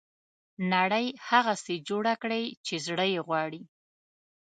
نړۍ هغسې جوړه کړي چې زړه یې غواړي.